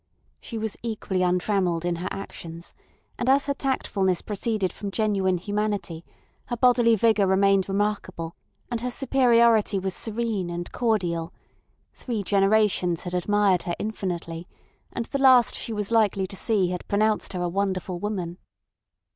She was equally untrammelled in her actions; and as her tactfulness proceeded from genuine humanity, her bodily vigour remained remarkable and her superiority was serene and cordial, three generations had admired her infinitely, and the last she was likely to see had pronounced her a wonderful woman.